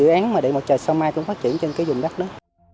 dự án mà điện mặt trời sao mai cũng phát triển trên cái dùng đất đó